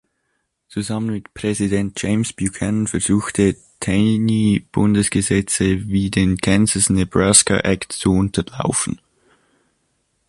Zusammen mit Präsident James Buchanan versuchte Taney Bundesgesetze wie den "Kansas-Nebraska Act" zu unterlaufen.